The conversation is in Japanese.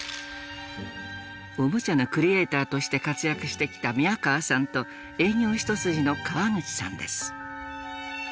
おもちゃのクリエーターとして活躍してきた宮河さんと営業一筋の川口さんです。